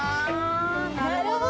なるほど！